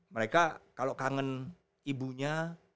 mereka kalau kangen ibunya